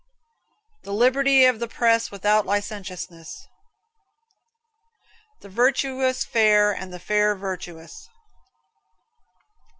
The liberty of the press without licentiousness. The virtuous fair, and the fair virtuous.